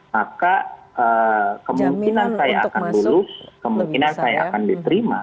maka kemungkinan saya akan lulus kemungkinan saya akan diterima